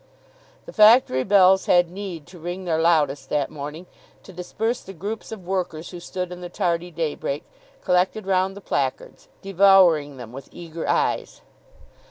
The factory bells had need to ring their loudest that morning to disperse the groups of workers who stood in the tardy daybreak, collected round the placards, devouring them with eager eyes.